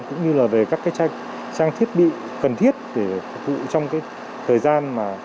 cũng như là về các trang thiết bị cần thiết để phục vụ trong thời gian mà